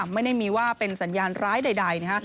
ไม่ได้มีว่าเป็นสัญญาณร้ายใดนะฮะ